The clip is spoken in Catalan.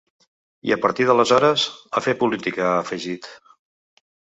I a partir d’aleshores, a fer política , ha afegit.